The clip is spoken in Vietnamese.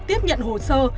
tiếp nhận hồ sơ